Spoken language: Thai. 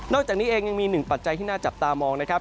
จากนี้เองยังมีหนึ่งปัจจัยที่น่าจับตามองนะครับ